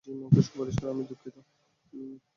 Gym, ওকে সুপারিশ করায় আমি দুঃখিত।